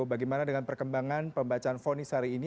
bagaimana dengan perkembangan pembacaan fonis hari ini